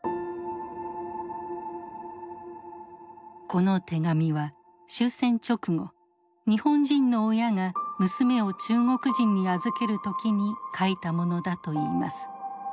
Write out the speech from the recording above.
この手紙は終戦直後日本人の親が娘を中国人に預ける時に書いたものだといいます。